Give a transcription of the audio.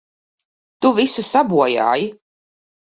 Tu visu sabojāji!